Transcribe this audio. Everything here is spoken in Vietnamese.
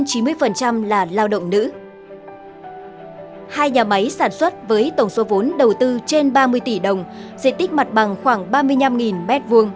hai nhà máy sản xuất với tổng số vốn đầu tư trên ba mươi tỷ đồng diện tích mặt bằng khoảng ba mươi năm m hai